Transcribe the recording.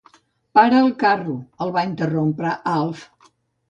Para el carro —el va interrompre l'Alf—.